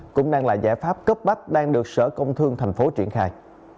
cũng đang là giải pháp cấp bách đang được sở công thương tp hcm triển khai